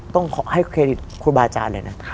ต้องให้เครดิตครูบาอาจารย์เลยนะ